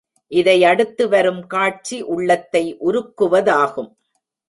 இதையடுத்து வரும் காட்சி உள்ளத்தை உருக்குவதாகும்.